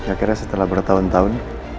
akhirnya setelah bertahun tahun